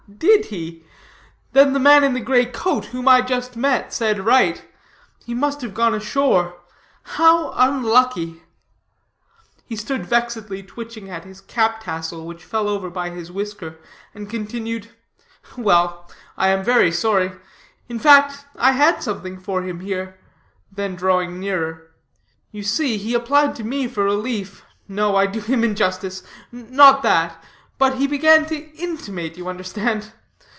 "Did he? Then the man in the gray coat, whom I just met, said right: he must have gone ashore. How unlucky!" He stood vexedly twitching at his cap tassel, which fell over by his whisker, and continued: "Well, I am very sorry. In fact, I had something for him here." Then drawing nearer, "you see, he applied to me for relief, no, I do him injustice, not that, but he began to intimate, you understand.